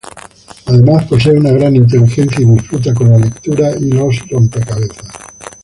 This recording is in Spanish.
Además, posee una gran inteligencia, y disfruta con la lectura y los rompecabezas.